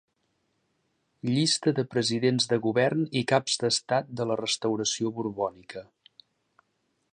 Llista de presidents de Govern i caps d'Estat de la Restauració borbònica.